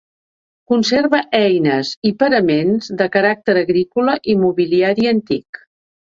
Conserva eines i paraments de caràcter agrícola i mobiliari antic.